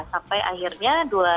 sampai akhirnya dua ribu lima belas